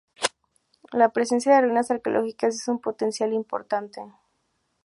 La presencia de ruinas arqueológicas es un potencial importante.